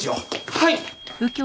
はい！